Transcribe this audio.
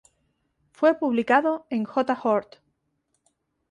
Fue publicado en "J. Hort.